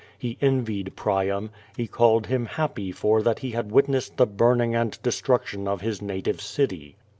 He envied Priam. He called him happy for that he had M'itnessed the burning and destruction of his native city.